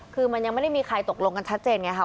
คือมันยังไม่ได้มีใครตกลงกันชัดเจนไงค่ะ